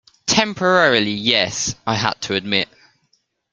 "Temporarily, yes," I had to admit.